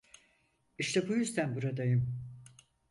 İşte bu yüzden buradayım.